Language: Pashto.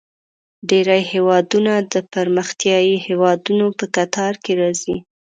ډیری هیوادونه د پرمختیايي هیوادونو په کتار کې راځي.